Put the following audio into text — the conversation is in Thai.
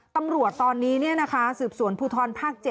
ตำรวจตอนนี้สืบสวนภูทรภาค๗